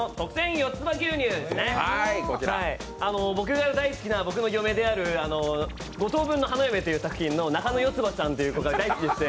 僕が大好きな僕の嫁である「五等分の花嫁」という作品の中野四葉ちゃんという子が大好きでして。